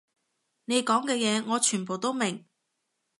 你講嘅嘢我全部都明